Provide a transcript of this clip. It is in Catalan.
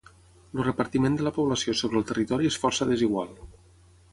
El repartiment de la població sobre el territori és força desigual.